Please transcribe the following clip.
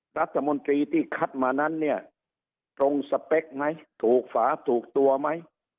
รัฐมนตรีที่คัดมานั้นเนี่ยตรงสเปคไหมถูกฝาถูกตัวไหม